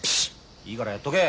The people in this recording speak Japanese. いいからやっとけ。